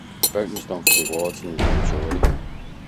Voting was done for the awards and there was no jury.